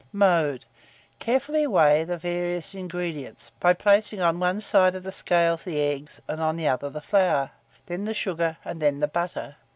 Mode. Carefully weigh the various ingredients, by placing on one side of the scales the eggs, and on the other the flour; then the sugar, and then the butter.